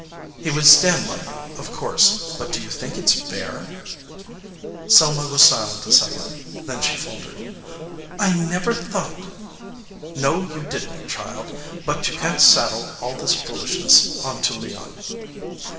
"He would stand by you, of course, but do you think it s fair?" Selma was silent a second. Then she faltered, "I never thought " "No, you didn t, child ; but you can t saddle all this foolishness onto Leon."